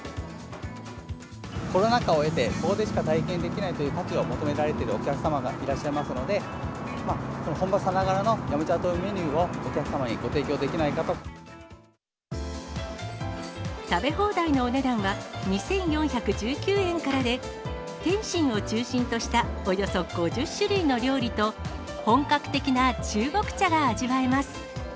コロナ禍を経て、ここでしか体験できないという価値を求められているお客様がいらっしゃいますので、本場さながらの飲茶というメニューを、お客様にご提供できないか食べ放題のお値段は２４１９円からで、点心を中心としたおよそ５０種類の料理と、本格的な中国茶が味わえます。